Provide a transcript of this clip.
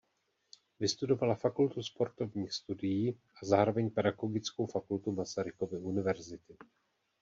Vystudovala Fakultu sportovní studií a zároveň Pedagogickou fakultu Masarykovy univerzity.